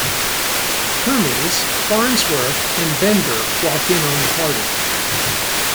Hermes, Farnsworth, and Bender walk in on the party.